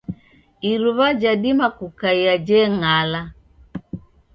Iruwa jadima kukaia jeng'ala.